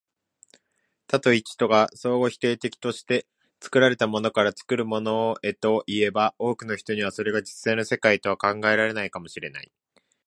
多と一とが相互否定的として、作られたものから作るものへといえば、多くの人にはそれが実在の世界とは考えられないかも知れない。